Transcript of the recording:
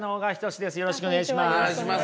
よろしくお願いします。